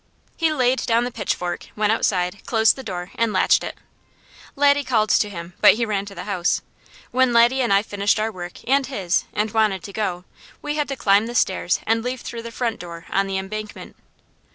He laid down the pitchfork, went outside, closed the door, and latched it. Laddie called to him, but he ran to the house. When Laddie and I finished our work, and his, and wanted to go, we had to climb the stairs and leave through the front door on the embankment.